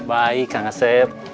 baik kang aset